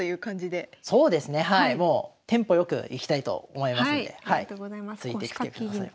はいもうテンポ良くいきたいと思いますんでついてきてください。